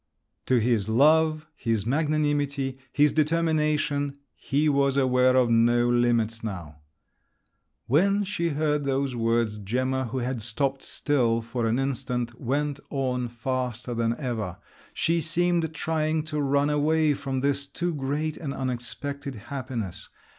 To his love, his magnanimity, his determination—he was aware of no limits now. When she heard those words, Gemma, who had stopped still for an instant, went on faster than ever…. She seemed trying to run away from this too great and unexpected happiness!